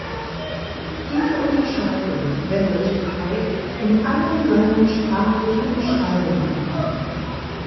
Diese Unterscheidung wendet Pike in allen seinen sprachlichen Beschreibungen an.